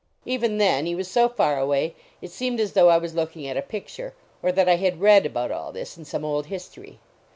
Even then, he was so far away, it seemed as though I was looking at a picture, or that I had read about all this in some old history.